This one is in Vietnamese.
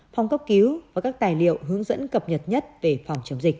phòng cấp cứu và các tài liệu hướng dẫn cập nhật nhất về phòng chống dịch